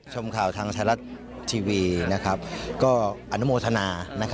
ชมข่าวทางไทยรัฐทีวีก็อนุโมทนา